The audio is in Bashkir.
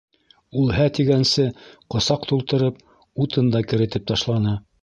Ул һә тигәнсе, ҡосаҡ тултырып, утын да керетеп ташланы.